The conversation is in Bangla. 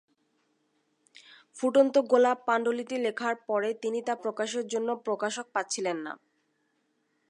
ফুটন্ত গোলাপ পাণ্ডুলিপি লেখার পরে তিনি তা প্রকাশের জন্য প্রকাশক পাচ্ছিলেন না।